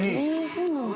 そうなんだ。